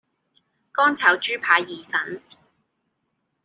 乾炒豬扒意粉